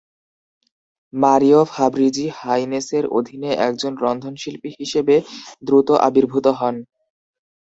Mario Fabrizi হাইনেসের অধীনে একজন রন্ধনশিল্পী হিসেবে দ্রুত আবির্ভূত হন।